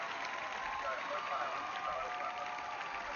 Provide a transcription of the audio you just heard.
Además fue certificado con el disco de oro en Australia.